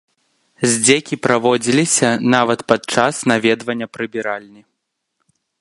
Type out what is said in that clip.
Здзекі праводзіліся нават пад час наведвання прыбіральні.